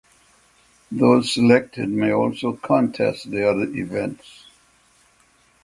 Those selected may also contest the other events.